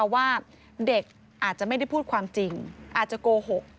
ว่าเด็กอาจจะไม่ได้พูดความจริงอาจจะโกหก